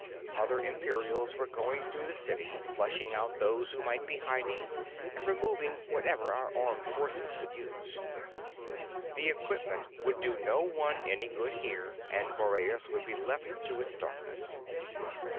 Other Imperials were going through the city, flushing out those who might be hiding and removing whatever our armed forces could use. The equipment would do no one any good here, and Boreas would be left to its darkness.